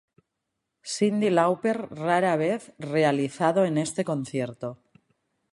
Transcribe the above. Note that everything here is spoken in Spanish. Cyndi Lauper rara vez realizado en este concierto.